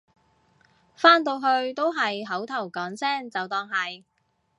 返到去都係口頭講聲就當係